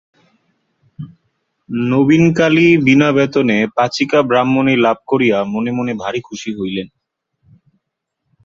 নবীনকালী বিনা-বেতনে পাচিকা ব্রাহ্মণী লাভ করিয়া মনে মনে ভারি খুশি হইলেন।